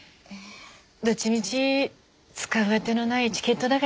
どっちみち使うあてのないチケットだから。